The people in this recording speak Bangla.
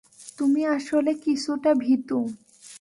আমি আসলে কিছুটা ভীতু।